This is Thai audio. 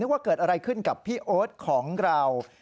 ว่าเกิดอะไรขึ้นกับพี่โอ๊ตของเรา